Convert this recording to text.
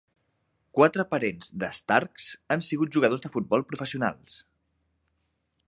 Quatre parents de Starks han sigut jugadors de futbol professionals.